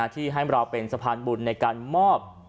ที่ให้เราเป็นสะพานบุญในการมอบ